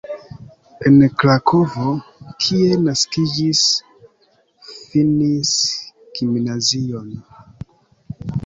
En Krakovo, kie naskiĝis, finis gimnazion.